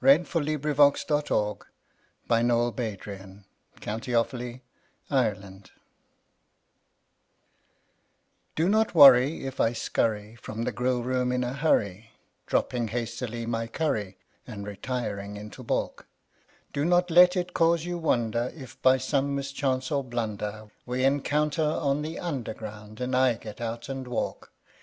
CUPID'S DARTS (Which are a growing menace to the public) Do not worry if I scurry from the grill room in a hurry, Dropping hastily my curry and re tiring into balk ; Do not let it cause you wonder if, by some mischance or blunder, We encounter on the Underground and I get out and walk.